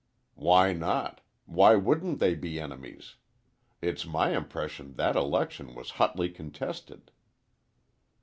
"Why not? Why wouldn't they be enemies? It's my impression that election was hotly contested."